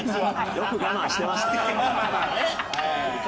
よく我慢してましたね。